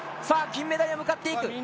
さあ金メダルへ、向かっていく。